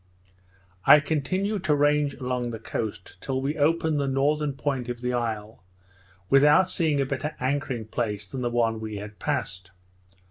I continued to range along the coast, till we opened the northern point of the isle, without seeing a better anchoring place than the one we had passed.